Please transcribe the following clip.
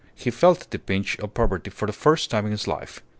He felt the pinch of poverty for the first time in his life.